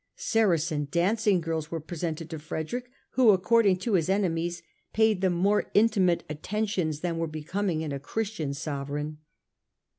Saracen dancing girls were presented to Frederick who, according to his enemies, paid them more intimate attentions than were becoming in a Christian sovereign.